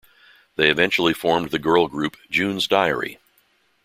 They eventually formed the girl group June's Diary.